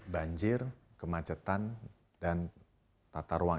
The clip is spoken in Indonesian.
banjir kemacetan dan tata ruang